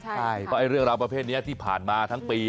ใช่เพราะเรื่องราวประเภทนี้ที่ผ่านมาทั้งปี